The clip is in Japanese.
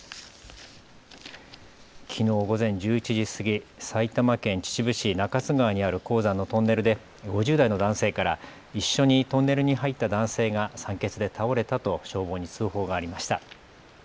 きのう午前１１時過ぎ、埼玉県秩父市中津川にある鉱山のトンネルで５０代の男性から一緒にトンネルに入った男性が酸欠で倒れたと消防に通報がありました。